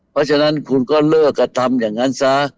เพราะฉะนั้นคุณก็เลิกกระทำอย่างนั้นซะ